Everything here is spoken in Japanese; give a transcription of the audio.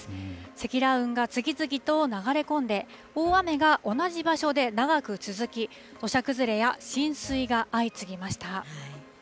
積乱雲が次々と流れ込んで、大雨が同じ場所で長く続き、土砂崩れや浸水が相次ぎました。